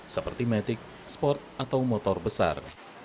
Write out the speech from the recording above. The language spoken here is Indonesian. seperti matic sport atau motor besar